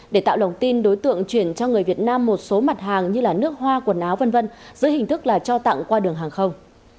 để tạo lòng tin đối tượng chuyển cho người việt nam một số mặt hàng như nước hoa quần áo v v giữa hình thức là cho tặng qua đường hàng không